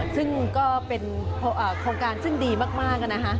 ซึ่งก็เป็นโครงการซึ่งดีมากนะคะ